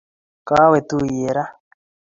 Kawe tuiyet raa